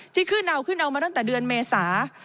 ที่ขึ้นเอาขึ้นเอามาตั้งแต่เดือนเมษา